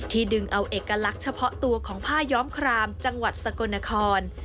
ดึงเอาเอกลักษณ์เฉพาะตัวของผ้าย้อมครามจังหวัดสกลนคร